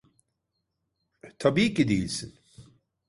Tabii ki değilsin.